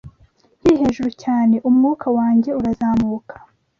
nkiri hejuru cyane umwuka wanjye urazamuka